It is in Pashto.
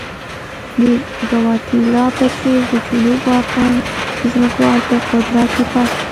د ګواتیلا په څېر د جنوب واکمن ځمکوال په قدرت کې پاتې شول.